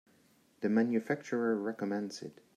The manufacturer recommends it.